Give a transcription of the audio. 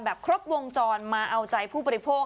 ครบวงจรมาเอาใจผู้บริโภค